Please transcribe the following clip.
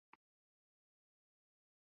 司马宗勒兵反抗但被赵胤击杀。